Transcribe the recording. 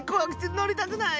のりたくない！